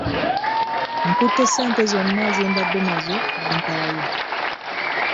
Nkutte ssente zonna ze mbadde nazo ne mpaayo.